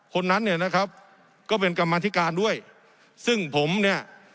คนนั้นเนี่ยนะครับก็เป็นกรรมธิการด้วยซึ่งผมเนี่ย